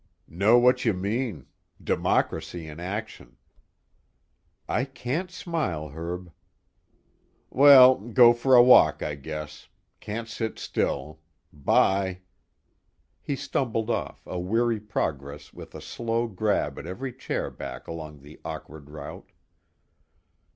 "Know what you mean. Democracy in action." I can't smile, Herb. "Well go for a walk, I guess. Can't sit still. 'Bye." He stumbled off, a weary progress with a slow grab at every chair back along the awkward route...